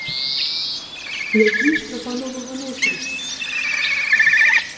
Якія ж прапановы выносіліся?